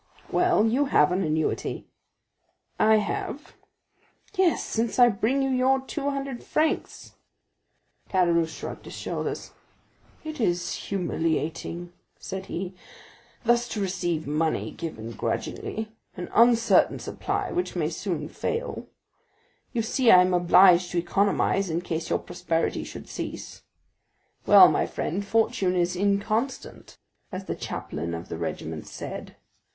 "Well, you have an annuity." "I have?" 40134m "Yes, since I bring you your two hundred francs." Caderousse shrugged his shoulders. "It is humiliating," said he, "thus to receive money given grudgingly,—an uncertain supply which may soon fail. You see I am obliged to economize, in case your prosperity should cease. Well, my friend, fortune is inconstant, as the chaplain of the regiment said.